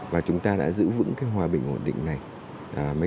và chúng ta đã giữ vững cái hòa bình ổn định này mấy chục năm qua